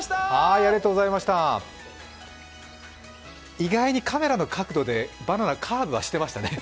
意外にカメラの角度でバナナ、カーブしてましたね。